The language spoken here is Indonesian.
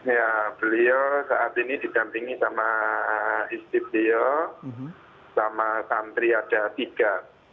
ya beliau saat ini didampingi sama istri beliau sama santri ada tiga